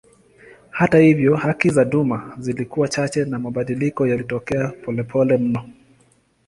Hata hivyo haki za duma zilikuwa chache na mabadiliko yalitokea polepole mno.